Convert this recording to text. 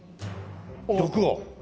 毒を？